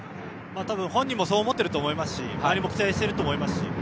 本人もそう思っていると思いますし周りも期待していると思います。